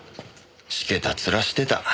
しけた面してた。